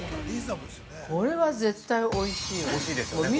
◆これは絶対おいしいわよ。